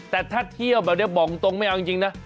แต่ถ้าเที่ยวแบบนี้บอกตรงไม่เอาจริงนะ